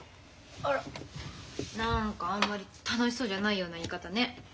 あら何かあんまり楽しそうじゃないような言い方ね。